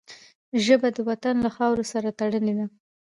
ژبه د وطن له خاورو سره تړلې ده